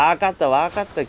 分かったき。